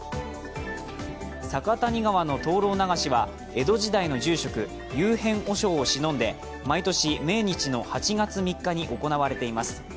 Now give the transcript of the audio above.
酒谷川の灯籠流しは江戸時代の住職、祐遍和尚をしのんで毎年、命日の８月３日に行われています。